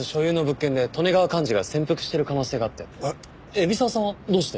海老沢さんはどうして？